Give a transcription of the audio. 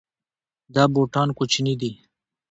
دا بوټان کوچني دي